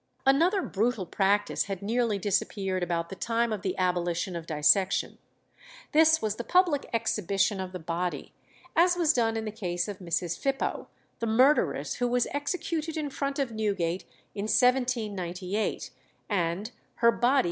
Another brutal practice had nearly disappeared about the time of the abolition of dissection. This was the public exhibition of the body, as was done in the case of Mrs. Phipoe, the murderess, who was executed in front of Newgate in 1798, and "her body [Illustration: EXHIBITION OF BODY OF WILLIAMS.